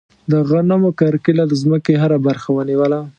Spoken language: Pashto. د غنمو کرکیله د ځمکې هره برخه ونیوله.